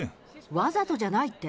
わざとじゃないって？